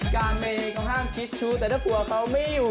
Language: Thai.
การไปค่อนข้างคิดชู้แต่ถ้าผัวเขาไม่อยู่